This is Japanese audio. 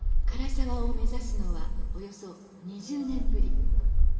涸沢を目指すのはおよそ２０年ぶり。